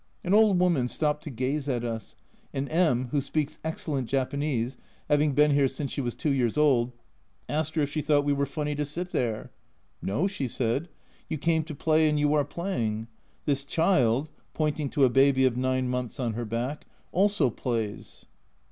An old woman stopped to gaze at us, and M (who speaks excellent Japanese, having been here since she was two years old) asked her if she thought we were funny to sit there. " No," she said, " you came to play and you are playing. This child " (pointing to a baby of nine months on her back) "also plays."